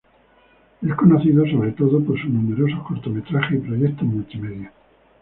Es conocido sobre todo por sus numerosos cortometrajes y proyectos multimedia.